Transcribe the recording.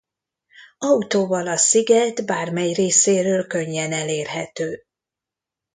Autóval a sziget bármely részéről könnyen elérhető.